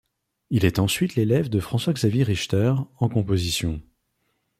Il est ensuite l'élève de François-Xavier Richter en composition.